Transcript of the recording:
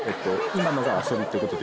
今のが遊びってことで？」